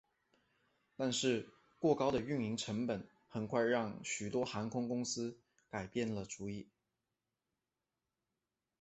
但是过高的运营成本很快让许多航空公司改变了主意。